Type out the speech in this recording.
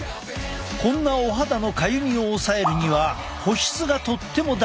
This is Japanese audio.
こんなお肌のかゆみを抑えるには保湿がとっても大事！